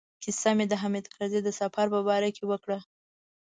کیسه مې د حامد کرزي د سفر په باره کې وکړه.